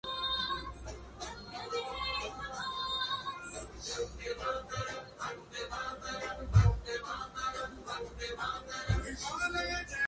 It was home for ten years to noted architect Charles E. Choate.